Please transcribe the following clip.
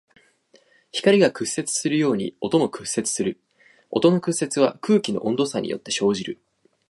光が屈折するように音も屈折する。音の屈折は空気の温度差によって生じる。